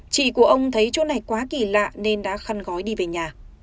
chị của ông thấy chỗ này quá kỳ lạ nên đã khăn gói đi về nhà